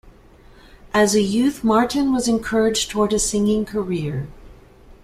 As a youth Martin was encouraged toward a singing career.